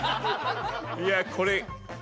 いやこれ。